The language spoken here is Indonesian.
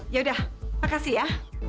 yaudah makasih ya